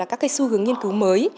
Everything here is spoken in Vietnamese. các xu hướng nghiên cứu mới